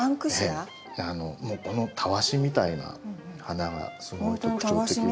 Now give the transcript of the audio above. もうこのタワシみたいな花がすごい特徴的で。